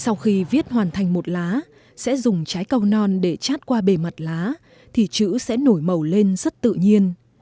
sau khi viết hoàn thành một lá sẽ dùng trái cầu non để chát qua bề mặt lá thì chữ sẽ nổi màu lên rất tự nhiên